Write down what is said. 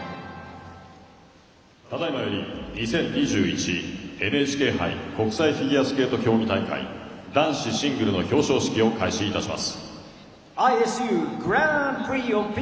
ただいまより２０２１ＮＨＫ杯国際フィギュアスケート大会男子シングルの表彰式を開催いたします。